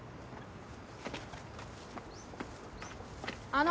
あの！